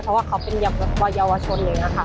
เพราะว่าเขาเป็นเยาวชนอย่างนี้ค่ะ